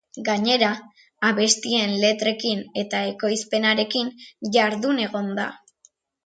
Gainera, abestien letrekin eta ekoizpenarekin jardun egon da.